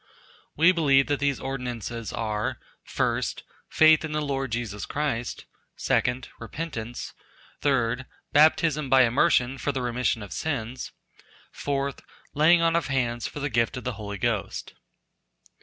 We believe that these ordinances are 1st, Faith in the Lord Jesus Christ; 2d, Repentance; 3d, Baptism by immersion for the remission of sins; 4th, Laying on of hands for the gift of the Holy Ghost.